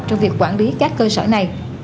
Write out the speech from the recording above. trong việc quản lý các cơ sở này